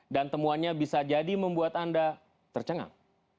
dan temuannya bisa jadi membuat anda tercengang